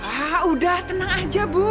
ya udah tenang aja bu